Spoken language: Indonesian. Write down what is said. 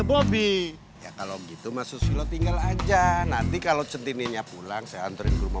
bobby kalau gitu masuk silo tinggal aja nanti kalau cedinya pulang seandainya